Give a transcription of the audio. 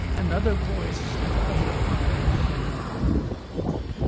Another voice and other eyes in mine!